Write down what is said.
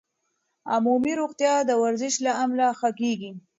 عمومي روغتیا د ورزش له امله ښه کېږي.